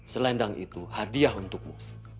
selendang itu hadiah untukmu